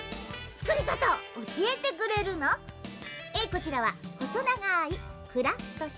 こちらはほそながいクラフトし。